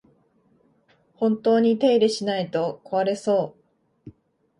本当に手入れしないと壊れそう